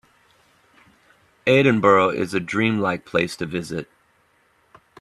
Edinburgh is a dream-like place to visit.